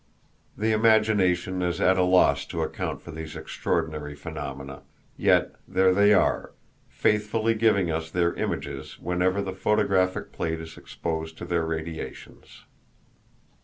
The imagination is at a loss to account for these extraordinary phenomena; yet there they are, faithfully giving us their images whenever the photographic plate is exposed to their radiations.